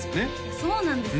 そうなんですよ